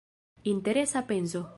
Interesa penso.